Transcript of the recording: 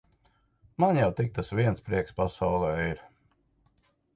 Man jau tik tas viens prieks pasaulē ir.